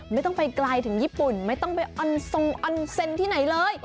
ไม่ต้องไปไกลถึงญี่ปุ่นไม่ต้องไปอันทรงอันเซ็นที่ไหนเลย